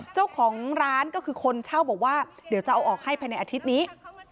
เจ้าของร้านก็คือคนเช่าบอกว่าเดี๋ยวจะเอาออกให้ภายในอาทิตย์นี้